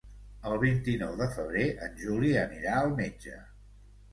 El vint-i-nou de febrer en Juli anirà al metge.